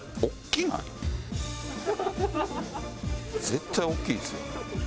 絶対大きいですよ。